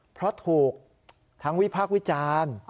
เพราะถูกทั้งวิพากษ์วิจารณ์